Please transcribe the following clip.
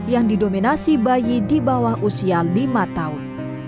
yang didominasi bayi di bawah usia lima tahun